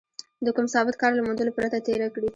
د کوم ثابت کار له موندلو پرته تېره کړې.